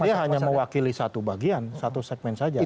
saya hanya mewakili satu bagian satu segmen saja